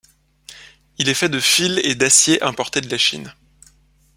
Il est fait de de fils et de d'aciers importés de la Chine.